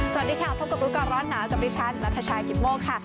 สวัสดีค่ะพบกับรู้ก่อนร้อนหนาวกับดิฉันนัทชายกิตโมกค่ะ